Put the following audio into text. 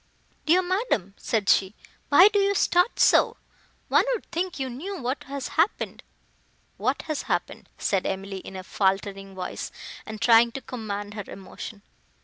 "Dear madam," said she, "why do you start so? one would think you knew what has happened." "What has happened?" said Emily, in a faltering voice, and trying to command her emotion.